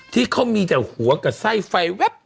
ที่เขามีแต่หัวกับไส้ไฟแว๊บ